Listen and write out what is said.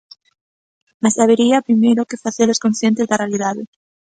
Mais habería, primeiro, que facelos conscientes da realidade.